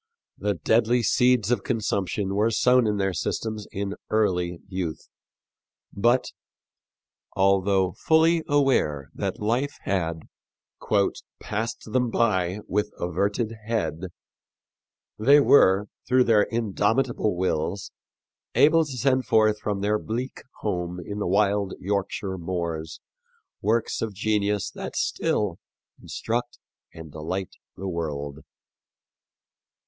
The deadly seeds of consumption were sown in their systems in early youth, but, although fully aware that life had "passed them by with averted head," they were, through their indomitable wills, able to send forth from their bleak home in the wild Yorkshire moors works of genius that still instruct and delight the world.